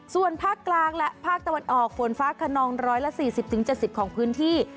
ส่วนภาคกลางและภาคตะวันออกฝนฟ้าคนองร้อยละสี่สิบถึงเจ็ดสิบของพื้นที่